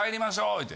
言うて。